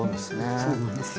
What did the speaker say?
そうなんですよ。